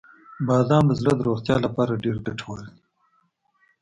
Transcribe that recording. • بادام د زړه د روغتیا لپاره ډیره ګټور دی.